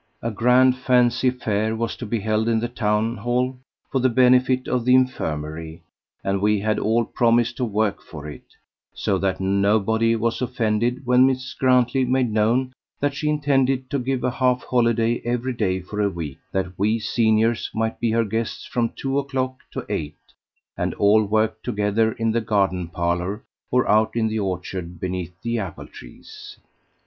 A grand fancy fair was to be held in the town hall for the benefit of the infirmary, and we had all promised to work for it; so that nobody was offended when Miss Grantley made known that she intended to give a half holiday every day for a week, that we seniors might be her guests from two o'clock to eight, and all work together in the garden parlour, or out in the orchard beneath the apple trees.